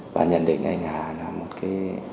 và nhận định anh hà là một cái